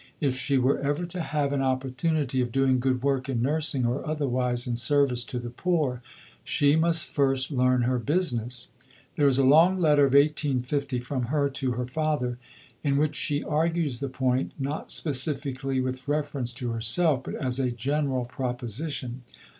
If she were ever to have an opportunity of doing good work in nursing or otherwise in service to the poor, she must first learn her business. There is a long letter of 1850 from her to her father in which she argues the point, not specifically with reference to herself, but as a general proposition.